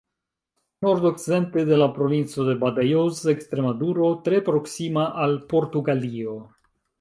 Nordokcidente de la Provinco de Badajoz, Ekstremaduro, tre proksima al Portugalio.